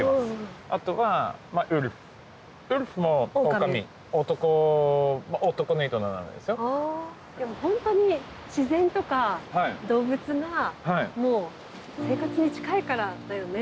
あでも本当に自然とか動物がもう生活に近いからだよね。